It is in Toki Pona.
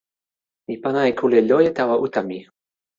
mi pana e kule loje tawa uta mi.